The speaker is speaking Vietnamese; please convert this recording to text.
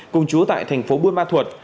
cùng chú tại thành phố buôn ma thuột